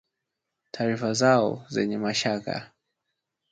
taarifa zao zenye mashaka